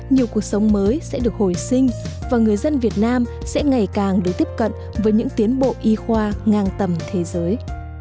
nhiều cuộc sống mới sẽ được hồi sinh và người dân việt nam sẽ ngày càng được tiếp cận với những tiến bộ y khoa ngang tầm thế giới